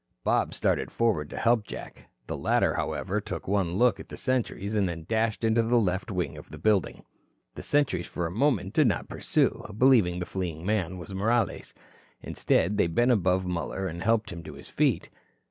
Bob started forward to help Jack. The latter, however, took one look at the sentries and then dashed into the left wing of the building. The sentries for a moment did not pursue, believing the fleeing man was Morales. Instead, they bent above Muller and helped him to his feet.